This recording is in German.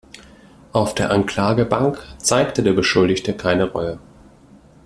Auf der Anklagebank zeigte der Beschuldigte keine Reue.